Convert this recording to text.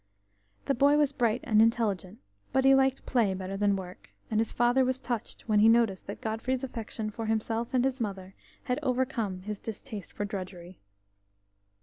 The boy was bright and intelligent, but he liked play better than work, and his father was touched when he noticed that Godfrey's affection for himself and his mother had overcome his distaste for drudgery.